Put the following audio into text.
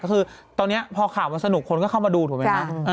คือตอนนี้พอข่าวมันสนุกคนก็เข้ามาดูถูกไหมฮะ